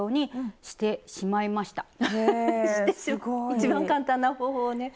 一番簡単な方法をね